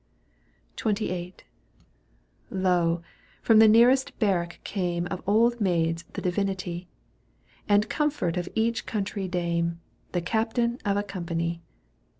XXVIII. Lo ! from the nearest barrack came, Of old maids the divinity. And comfort of each country dame. The captain of a company.